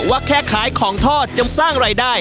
ว่าแค่ขายของทอดจนสร้างรายได้